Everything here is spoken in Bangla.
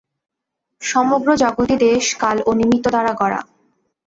সমগ্র জগৎই দেশ কাল ও নিমিত্ত দ্বারা গড়া।